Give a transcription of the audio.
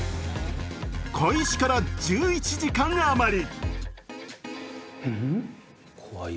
開始から１１時間あまり。